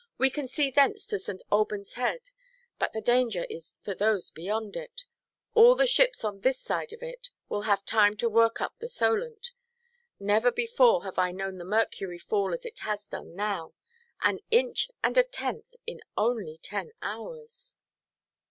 We can see thence to St. Albanʼs Head; but the danger is for those beyond it. All the ships on this side of it will have time to work up the Solent. Never before have I known the mercury fall as it has done now. An inch and a tenth in only ten hours!"